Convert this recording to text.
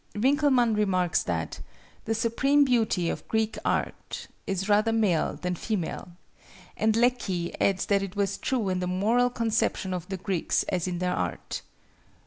Winckelmann remarks that "the supreme beauty of Greek art is rather male than female," and Lecky adds that it was true in the moral conception of the Greeks as in their art.